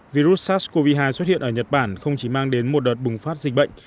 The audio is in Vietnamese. virus sars cov hai xuất hiện ở nhật bản không chỉ mang đến một đợt bùng phát dịch bệnh